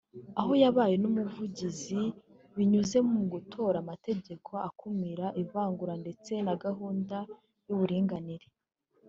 aho yabaye umuvugizi binyuze mu gutora amategeko akumira ivangura ndetse na gahunda y’uburinganire